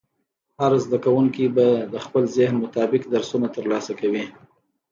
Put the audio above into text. هر زده کوونکی به د خپل ذهن مطابق درسونه ترلاسه کوي.